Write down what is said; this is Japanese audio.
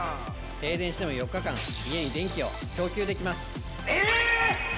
停電しても４日間家に電気を供給できます！